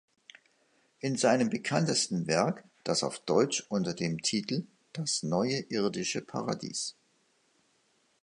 In seinem bekanntesten Werk, das auf deutsch unter dem Titel "Das neue irdische Paradies.